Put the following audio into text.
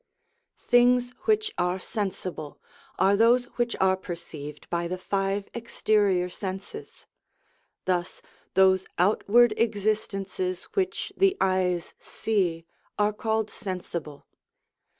Things which are sensible are those which are per ceived by the five exterior senses ; thus those outward existences which the eyes see, are called sensible.